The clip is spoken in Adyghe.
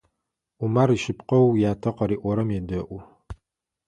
Умар ишъыпкъэу ятэ къыриӏорэм едэӏу.